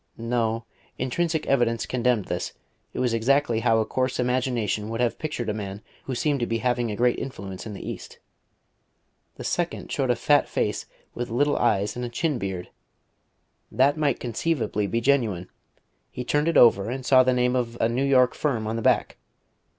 No; intrinsic evidence condemned this: it was exactly how a coarse imagination would have pictured a man who seemed to be having a great influence in the East. The second showed a fat face with little eyes and a chin beard. That might conceivably be genuine: he turned it over and saw the name of a New York firm on the back.